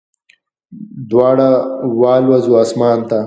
دواړه والوزو اسمان ته